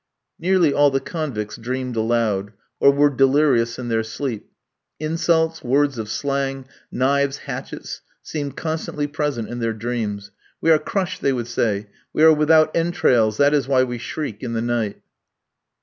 Nearly all the convicts dreamed aloud, or were delirious in their sleep. Insults, words of slang, knives, hatchets, seemed constantly present in their dreams. "We are crushed!" they would say; "we are without entrails; that is why we shriek in the night."